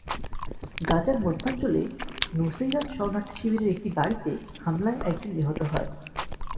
গাজার মধ্যাঞ্চলে নুসেইরাত শরণার্থী শিবিরের একটি বাড়িতে হামলায় একজন নিহত হয়।